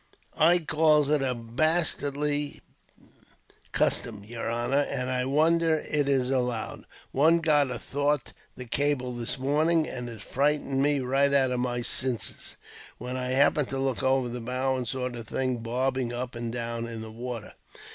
"I calls it a bastly custom, yer honor, and I wonder it is allowed. One got athwart the cable this morning, and it frightened me nigh out of my sinses, when I happened to look over the bow, and saw the thing bobbing up and down in the water.